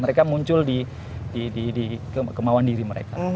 mereka muncul di kemauan diri mereka